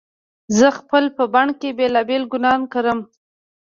زه خپل په بڼ کې بېلابېل ګلان کرم